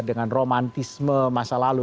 dengan romantisme masa lalu